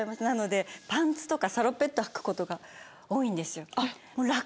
なのでパンツとかサロペットはくことが多いんですよ。